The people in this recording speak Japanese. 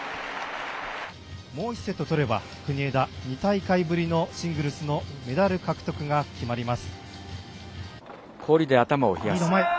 もう１セット取れば国枝２大会ぶりのシングルスのメダル獲得が決まります。